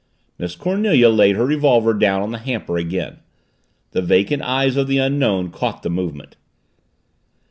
Miss Cornelia laid her revolver down on the hamper again. The vacant eyes of the Unknown caught the movement.